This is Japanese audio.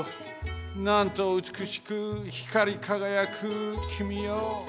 なんとうつくしくひかりかがやくきみよ！